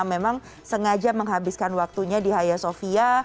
memang sengaja menghabiskan waktunya di haya sofia